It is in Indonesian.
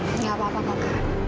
tidak apa apa pak